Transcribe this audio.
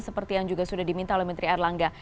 seperti yang juga sudah diminta oleh menteri erlangga